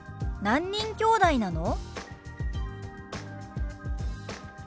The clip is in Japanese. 「何人きょうだいなの？」。